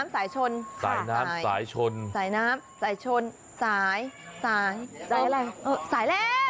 สายชนสายสายสายอะไรสายแล้ว